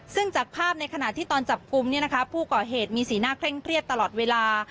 ซึ่งจากภาพในขณะที่ตอนจับกลุ่มผู้ก่อเหตุมีสีหน้าเคร่งเครียดตลอดเวลา